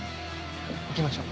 行きましょう。